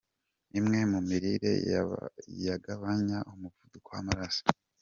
Imwe mu mirire yagabanya umuvuduko w’amaraso